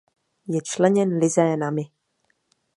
Je členěn lizénami.